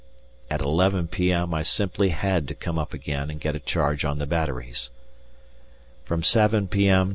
At 11 p.m. I simply had to come up again and get a charge on the batteries. From 7 p.m.